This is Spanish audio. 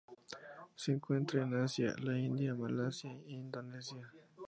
Se encuentran en Asia: la India, Malasia y Indonesia.